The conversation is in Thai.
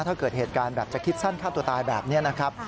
ถ้าเกิดเหตุการณ์แบบจะคิดสั้นฆ่าตัวตายแบบนี้นะครับ